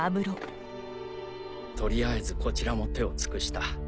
取りあえずこちらも手を尽くした